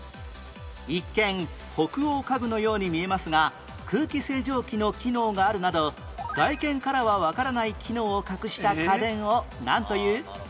一見北欧家具のように見えますが空気清浄機の機能があるなど外見からはわからない機能を隠した家電をなんという？